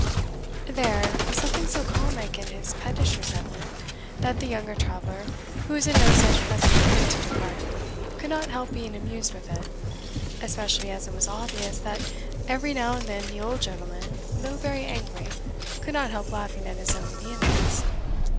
There, was something so comic in his pettish resentment, that the younger traveller, who was in no such pressing hurry to depart, could not help being amused with it, especially as it was obvious, that every now and then the old gentleman, though very angry, could not help laughing at his own vehemence.